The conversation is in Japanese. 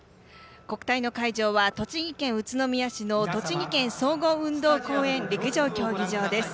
国体の会場は栃木県宇都宮市の栃木県総合運動公園陸上競技場です。